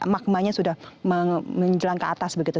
magmanya sudah menjelang ke atas begitu